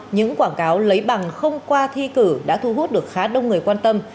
những quảng cáo lấy bằng không qua thi cử đã thu hút được khá đông người quan tâm